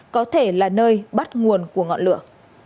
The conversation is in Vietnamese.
có thể là nơi bắt nguồn của ngọn lửa